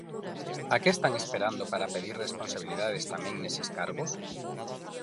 ¿A que están esperando para pedir responsabilidades tamén neses cargos?